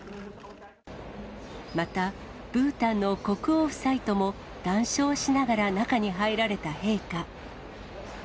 また、ブータンの国王夫妻とも談笑しながら中に入られた陛下。